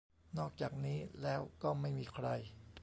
นอกจากนี้แล้วก็ไม่มีใคร